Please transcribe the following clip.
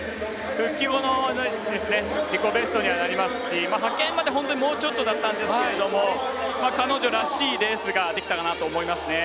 復帰後の自己ベストにはなりますし派遣までもうちょっとだったんですけど彼女らしいレースができたかなと思いますね。